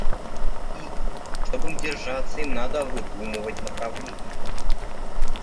И, чтоб им держаться, им надо выдумывать направление.